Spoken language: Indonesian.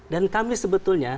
dan kami sebetulnya